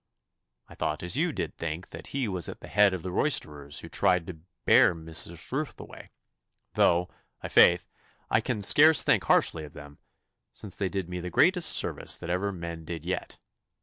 I thought as you did think that he was at the head of the roisterers who tried to bear Mistress Ruth away, though, i' faith, I can scarce think harshly of them, since they did me the greatest service that ever men did yet.